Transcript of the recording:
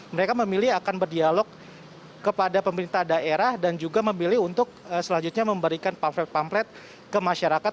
mereka memilih akan berdialog kepada pemerintah daerah dan juga memilih untuk selanjutnya memberikan pampret pamflet ke masyarakat